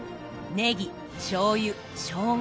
ネギしょうゆしょうが